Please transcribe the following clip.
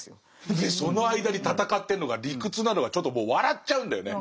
でその間に戦ってるのが理屈なのがちょっともう笑っちゃうんだよね。